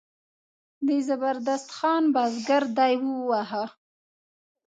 د زبردست خان بزګر دی وواهه.